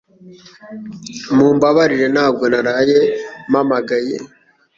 Mumbabarire ntabwo naraye mpamagaye